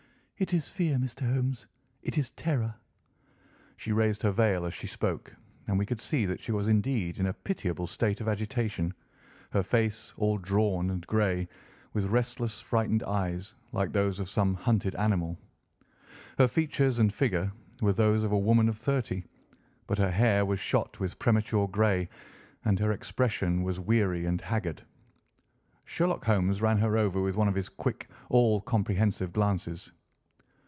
"It is fear, Mr. Holmes. It is terror." She raised her veil as she spoke, and we could see that she was indeed in a pitiable state of agitation, her face all drawn and grey, with restless frightened eyes, like those of some hunted animal. Her features and figure were those of a woman of thirty, but her hair was shot with premature grey, and her expression was weary and haggard. Sherlock Holmes ran her over with one of his quick, all comprehensive glances.